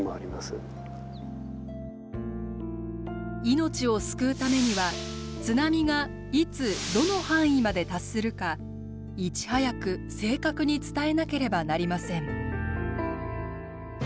命を救うためには津波がいつ・どの範囲まで達するかいち早く正確に伝えなければなりません。